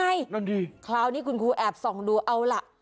ตั้งได้ยังไงนั่นดีคราวนี้คุณครูแอบส่องดูเอาล่ะ